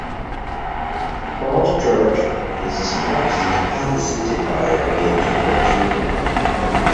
Falls Church is the smallest independent city by area in Virginia.